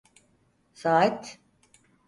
Saat…